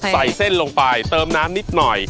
ใส่เส้นลงไปเติมน้ำนิดหน่อย